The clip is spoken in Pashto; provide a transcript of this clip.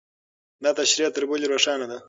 دا تشریح تر بلې روښانه ده.